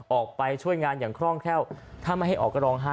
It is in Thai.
ออกไปช่วยงานอย่างคล่องแคล่วถ้าไม่ให้ออกก็ร้องไห้